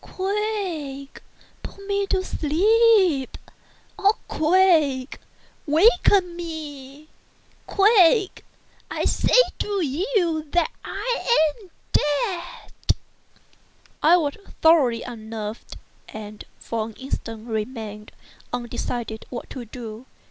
—quick!—put me to sleep—or, quick!—waken me!—quick!—I say to you that I am dead!" I was thoroughly unnerved, and for an instant remained undecided what to do.